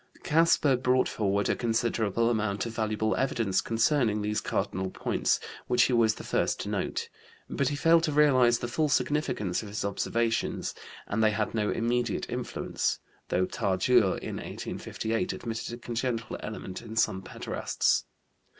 Casper brought forward a considerable amount of valuable evidence concerning these cardinal points, which he was the first to note, but he failed to realize the full significance of his observations, and they had no immediate influence, though Tardieu, in 1858, admitted a congenital element in some pederasts.